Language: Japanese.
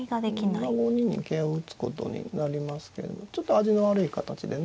まあ５二に桂を打つことになりますけどもちょっと味が悪い形でね。